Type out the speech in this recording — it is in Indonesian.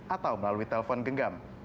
atau melalui telepon genggam